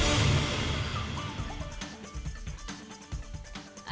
jangan lupa untuk berlangganan